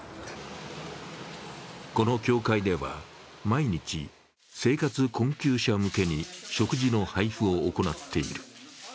この教会では毎日、生活困窮者向けに食事の配布を行っている。